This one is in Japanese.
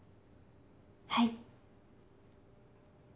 はい。